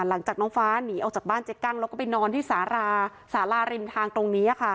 หลังจากน้องฟ้าหนีออกจากบ้านเจ๊กั้งแล้วก็ไปนอนที่สาราสาราริมทางตรงนี้ค่ะ